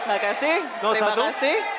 terima kasih terima kasih